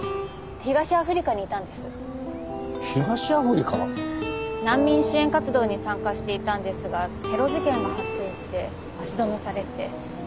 東アフリカ？難民支援活動に参加していたんですがテロ事件が発生して足止めされて。